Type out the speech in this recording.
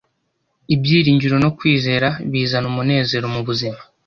Ibyiringiro no kwizera bizana umunezero mu buzima